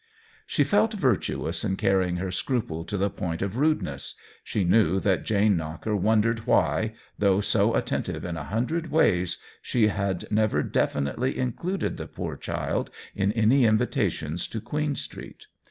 She felt virtuous in carrying her scruple to the point of rudeness ; she knew that Jane Knocker wondered why, though so at tentive in a hundred ways, she had never definitely included the poor child in any invitation to Queen Street.